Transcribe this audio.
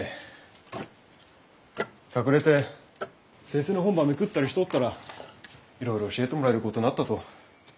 隠れて先生の本ばめくったりしとったらいろいろ教えてもらえるごとなったと。